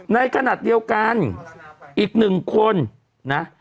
ในขณะเดียวกันอีกหนึ่งคนนะ